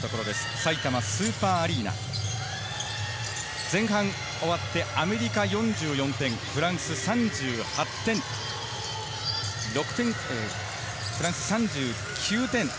埼玉スーパーアリーナ、前半終わってアメリカ４４点、フランス３８点、６点、フランス３９点。